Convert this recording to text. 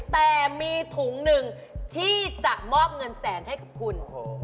แต่มีถุงหนึ่งที่จะมอบเงินแสนให้กับคุณ